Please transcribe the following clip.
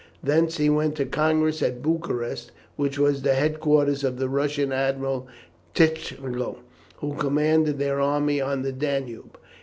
Thence he went to the Congress at Bucharest, which was the headquarters of the Russian Admiral, Tchichagow, who commanded their army of the Danube.